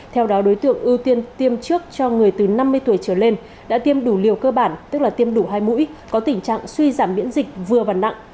theo đó đối tượng ưu tiên tiêm trước cho người từ năm mươi tuổi trở lên đã tiêm đủ liều cơ bản tức là tiêm đủ hai mũi có tình trạng suy giảm biễn dịch vừa và nặng